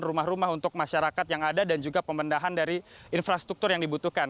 rumah rumah untuk masyarakat yang ada dan juga pembendahan dari infrastruktur yang dibutuhkan